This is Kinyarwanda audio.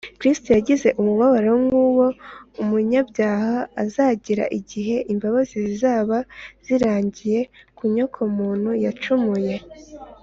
kristo yagize umubabaro nk’uwo umunyabyaha azagira igihe imbabazi zizaba zirangiye ku nyokomuntu yacumuye